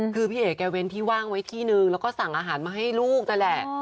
คือพี่เอ๋แกเว้นที่ว่างไว้ที่นึงแล้วก็สั่งอาหารมาให้ลูกนั่นแหละ